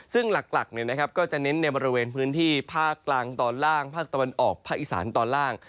ซึ่งหลักก็จะเน้นในบริเวณพื้นที่ภาคกลางตอนล่างภาคตะวันออกภาคอีสานตอนล่าง